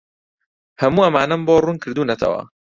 هەموو ئەمانەم بۆ ڕوون کردوونەتەوە.